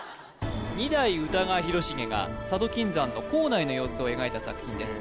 二代歌川広重が佐渡金山の坑内の様子を描いた作品です